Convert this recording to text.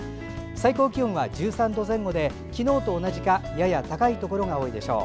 最高気温は１３度前後で昨日と同じかやや高いところが多いでしょう。